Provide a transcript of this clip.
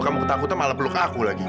kamu ketakutan malah peluk aku lagi